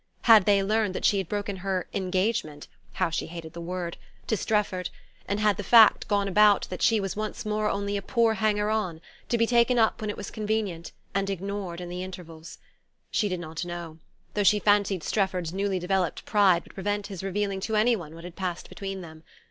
Had they learned that she had broken her "engagement" (how she hated the word!) to Strefford, and had the fact gone about that she was once more only a poor hanger on, to be taken up when it was convenient, and ignored in the intervals? She did not know; though she fancied Strefford's newly developed pride would prevent his revealing to any one what had passed between them.